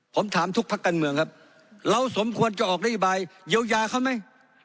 ผมถามทุกพักการเมืองครับเราสมควรจะออกนโยบายเยียวยาเขาไหม